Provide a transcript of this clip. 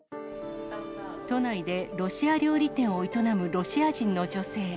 都内でロシア料理店を営むロシア人の女性。